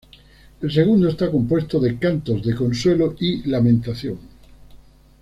El segundo está compuesto de cantos de consuelo y lamentación.